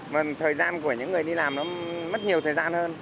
mà thời gian của những người đi làm nó mất nhiều thời gian hơn